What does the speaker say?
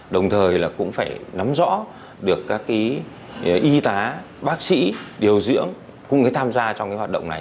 đồng thời là cũng phải nắm rõ được các cái y tá bác sĩ điều dưỡng cũng phải tham gia trong cái hoạt động này